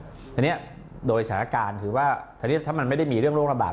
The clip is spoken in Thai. ทีนี้โดยสถานการณ์คือว่าตอนนี้ถ้ามันไม่ได้มีเรื่องโรคระบาด